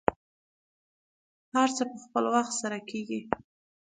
هر څه په خپل وخت سره کیږي.